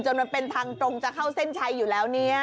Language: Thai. มันเป็นทางตรงจะเข้าเส้นชัยอยู่แล้วเนี่ย